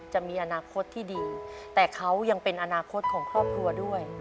จะมีอนาคตที่ดีแต่เขายังเป็นอนาคตของครอบครัวด้วย